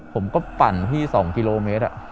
ผมก็ปั่นพี่๒กิโลเมตร